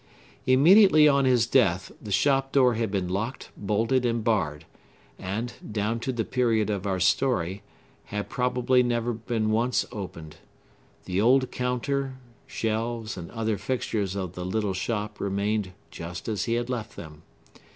Immediately on his death, the shop door had been locked, bolted, and barred, and, down to the period of our story, had probably never once been opened. The old counter, shelves, and other fixtures of the little shop remained just as he had left them.